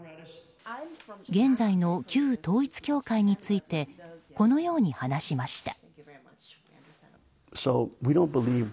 現在の旧統一教会についてこのように話しました。